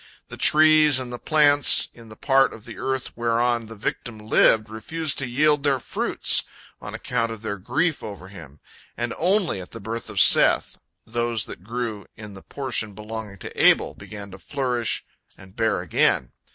The trees and the plants in the part of the earth whereon the victim lived refused to yield their fruits, on account of their grief over him, and only at the birth of Seth those that grew in the portion belonging to Abel began to flourish and bear again.